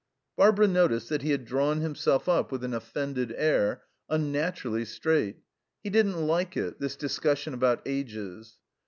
Barbara noticed that he had drawn himself up with an offended air, unnaturally straight. He didn't like it, this discussion about ages.